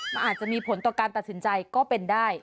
มันอาจจะมีผลต่อการตัดสินใจก็เป็นได้